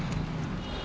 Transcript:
kau juga harus tahu itu